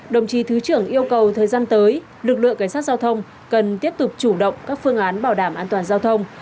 đồng chí thứ trưởng yêu cầu thời gian tới lực lượng cảnh sát giao thông cần tiếp tục chủ động các phương án bảo đảm an toàn giao thông